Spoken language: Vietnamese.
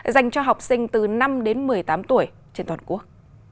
dành cho học sinh từ năm đến một mươi tám tuổi trên toàn quốc